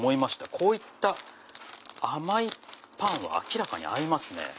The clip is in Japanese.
こういった甘いパンは明らかに合いますね。